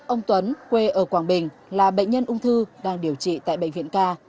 ông tuấn quê ở quảng bình là bệnh nhân ung thư đang điều trị tại bệnh viện ca